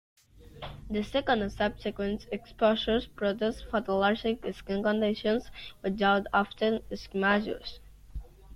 The second and subsequent exposures produce photoallergic skin conditions which are often eczematous.